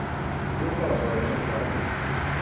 Por favor não chore.